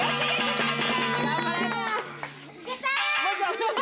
やった！